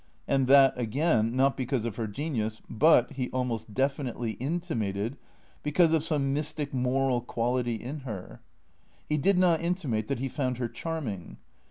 And that, again, not because of her genius, but, he almost def initely intimated, because of some mystic moral quality in her. He did not intimate that he found her charming.